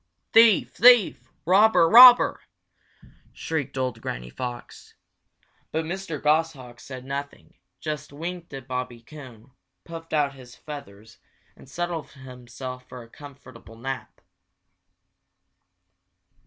"Thief! thief! robber! robber!" shrieked old Granny Fox. But Mr. Goshawk said nothing, just winked at Bobby Coon, puffed out his feathers, and settled himself for a comfortable nap.